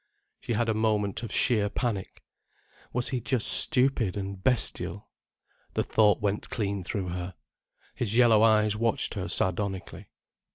She had a moment of sheer panic. Was he just stupid and bestial? The thought went clean through her. His yellow eyes watched her sardonically.